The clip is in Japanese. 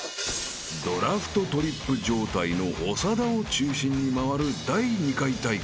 ［ドラフトトリップ状態の長田を中心に回る第２回大会］